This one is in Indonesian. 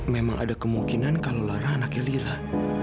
memang ada kemungkinan kalau lara anaknya lila